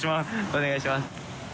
お願いします。